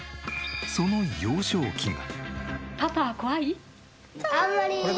その幼少期が。